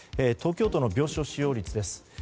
東京都の病床使用率です。